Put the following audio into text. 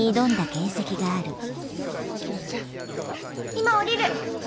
今下りる！